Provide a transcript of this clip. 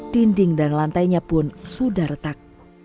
dinding dan lantainya pun sudah retak